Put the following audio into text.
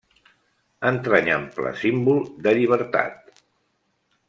Entranyable símbol de llibertat.